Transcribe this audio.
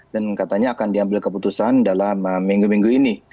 dan katanya akan diambil keputusan dalam minggu minggu ini